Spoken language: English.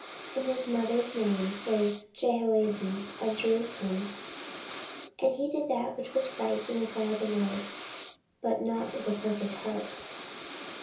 And his mother's name was Jehoaddan of Jerusalem. 14:025:002 And he did that which was right in the sight of the LORD, but not with a perfect heart.